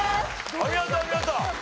お見事お見事！